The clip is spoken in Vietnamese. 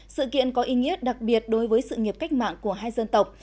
sự kiện có ý nghĩa đặc biệt đối với sự nghiệp cách mạng của hai dân tộc